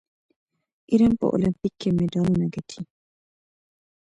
ایران په المپیک کې مډالونه ګټي.